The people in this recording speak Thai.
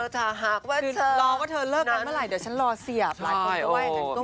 ถ้าหากว่าเธอเลิกกันเมื่อไหร่เดี๋ยวฉันรอเสียบไลค์คุณด้วย